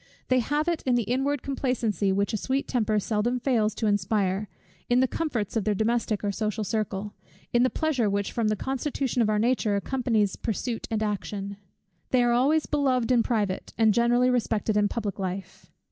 They have it in the inward complacency, which a sweet temper seldom fails to inspire; in the comforts of the domestic or social circle; in the pleasure which from the constitution of our nature accompanies pursuit and action. They are always beloved in private, and generally respected in public life.